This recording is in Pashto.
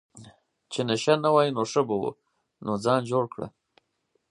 چې نشه نه وای ښه به وو، نو ځان جوړ کړه.